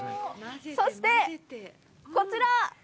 そして、こちら！